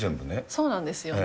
そうなんですよね。